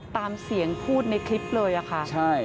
ตามเสียงพูดในคลิปเลยอะค่ะใช่